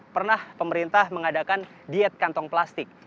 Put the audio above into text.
pernah pemerintah mengadakan diet kantong plastik